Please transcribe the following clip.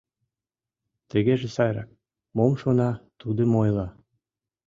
Тыгеже сайрак: мом шона, тудым ойла.